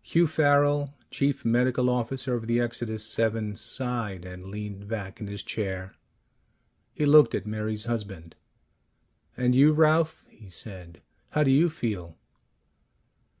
Hugh Farrel, Chief Medical Officer of the Exodus VII, sighed and leaned back in his chair. He looked at Mary's husband. "And you, Ralph," he said. "How do you feel?"